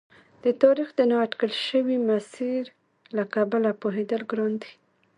د تاریخ د نا اټکل شوي مسیر له کبله پوهېدل ګران دي.